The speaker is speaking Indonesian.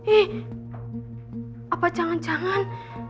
ih apa jangan jangan